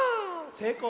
せいこう。